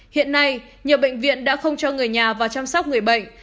hiện nay nhiều bệnh viện đã không cho người nhà vào chăm sóc người bệnh